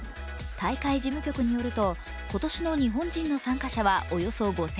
大会事務局によると今年の日本人の参加者はおよそ５０００人。